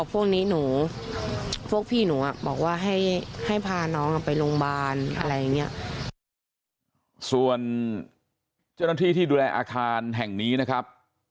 ส่วนเจ้าหน้าที่ที่ดูแลอาคารแห่งนี้นะครับ